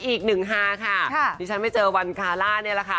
อีกหนึ่งฮาค่ะที่ฉันไม่เจอวันคาร่านี่แหละค่ะ